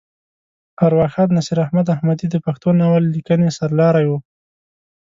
ارواښاد نصیر احمد احمدي د پښتو ناول لیکنې سر لاری وه.